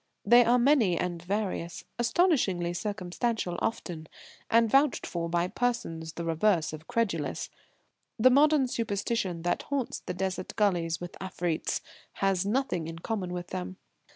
They are many and various, astonishingly circumstantial often, and vouched for by persons the reverse of credulous. The modern superstition that haunts the desert gullies with Afreets has nothing in common with them.